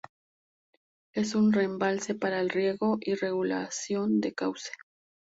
Es un embalse para riego y regulación de cauce.